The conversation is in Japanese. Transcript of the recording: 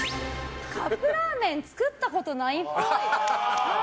カップラーメン作ったことないっぽい。